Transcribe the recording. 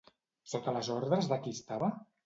Sota les ordres de qui estava?